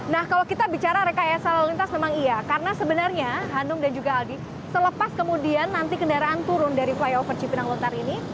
nah kalau kita bicara rekayasa lalu lintas memang iya karena sebenarnya hanum dan juga aldi selepas kemudian nanti kendaraan turun dari flyover cipinang lontar ini